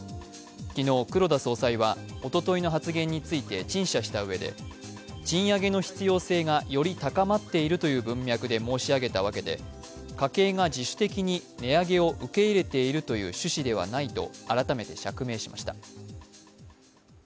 昨日、黒田総裁はおとといの発言について陳謝したうえで、賃上げの必要性がより高まっているという文脈で申し上げたわけで、家計が自主的に値上げを受け入れているさあ、ここからは「ＴＩＭＥ，スポーツ」。